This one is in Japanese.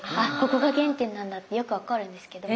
ここが原点なんだってよく分かるんですけど。